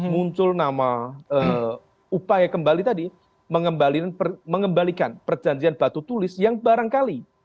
muncul nama upaya kembali tadi mengembalikan perjanjian batu tulis yang barangkali